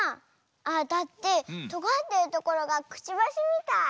あだってとがってるところがくちばしみたい。